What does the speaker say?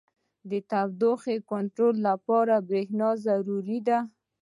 • د تودوخې کنټرول لپاره برېښنا ضروري ده.